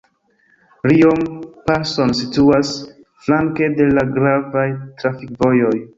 Riom-Parsonz situas flanke de la gravaj trafikvojoj.